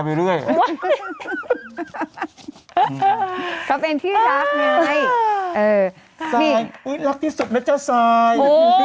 สายอุ๊ยรักที่สุดนะเจ้าสาย